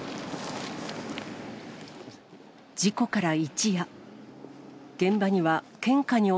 事故から一夜。